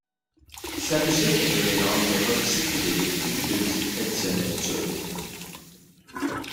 Sa musique est un mélange de rock psychédélique et de musique traditionnelle turque.